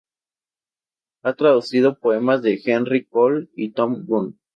Ha traducido poemas de Henri Cole y Thom Gunn.